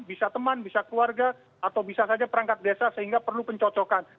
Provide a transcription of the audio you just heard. bisa teman bisa keluarga atau bisa saja perangkat desa sehingga perlu pencocokan